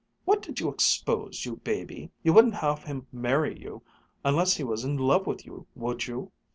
"What did you suppose, you baby? You wouldn't have him marry you unless he was in love with you, would you?